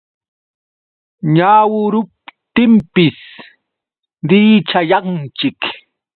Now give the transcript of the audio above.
Wañuruptinpis dirichayanchik.